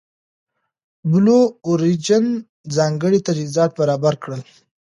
بلو اوریجن ځانګړي تجهیزات برابر کړل.